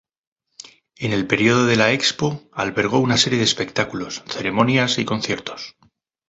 En el período de la Expo albergó una serie de espectáculos, ceremonias y conciertos.